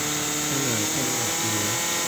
เสนอเป็นแบบนี้